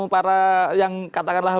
para yang katakanlah